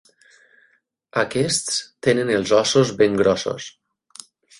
Aquests tenen els ossos ben grossos.